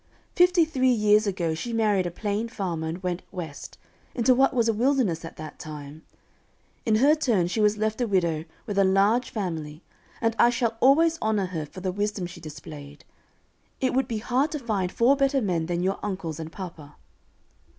"Fifty three years ago she married a plain farmer, and went West, into what was a wilderness at that time. In her turn, she was left a widow, with a large family, and I shall always honor her for the wisdom she displayed. It would be hard to find four better men than your uncles and papa.